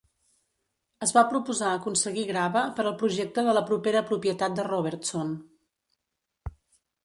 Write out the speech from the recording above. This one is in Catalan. Es va proposar aconseguir grava per al projecte de la propera propietat de Robertson.